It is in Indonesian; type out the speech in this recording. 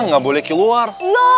mereka gak boleh keluar